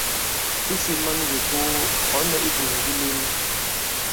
Isī man wě too, ɔ̌ nɛ ibum di leŋi.